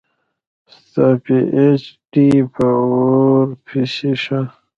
ستا پي ایچ ډي په اوور پسي شه